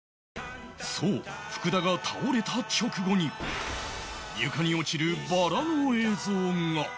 そう福田が倒れた直後に床に落ちるバラの映像が